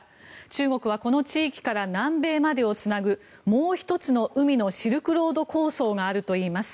中国はこの地域から南米までをつなぐもう１つの海のシルクロード構想があるといいます。